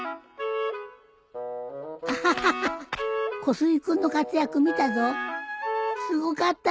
アハハハ小杉君の活躍見たぞすごかったね。